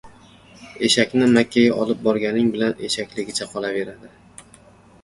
• Eshakni Makkaga olib borganing bilan eshakligicha qolaveradi.